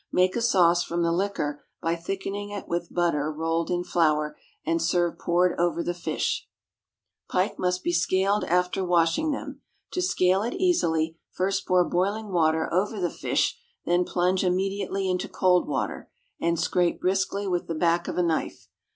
Make a sauce from the liquor by thickening it with butter rolled in flour, and serve poured over the fish. =Pike, Baked.= Pike must be scaled after washing them. To scale it easily, first pour boiling water over the fish, then plunge immediately into cold water, and scrape briskly with the back of a knife.